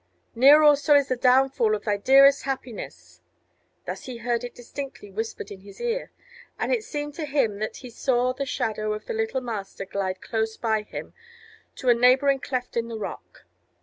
Near also is the downfall of thy dearest happiness." Thus he heard it distinctly whispered in his ear; and it seemed to him that he saw the shadow of the little Master glide close by him to a neighbouring cleft in the rock.